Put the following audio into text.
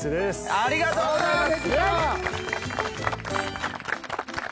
ありがとうございます。